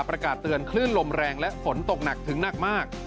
ประกาศเตือนคลื่นลมแรงและฝนตกหนักถึงหนักมาก